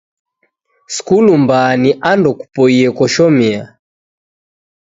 Skulu mbaa ni ando kupoie koshomia.